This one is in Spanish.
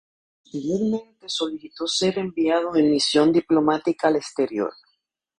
Posteriormente solicitó ser enviado en misión diplomática al exterior.